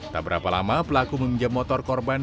tak berapa lama pelaku meminjam motor korban